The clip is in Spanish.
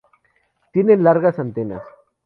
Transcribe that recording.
Tienen largas antenas.